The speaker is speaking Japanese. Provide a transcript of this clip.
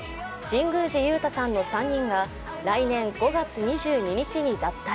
神宮寺勇太さんの３人が来年５月２２日に脱退。